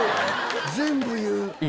全部言う！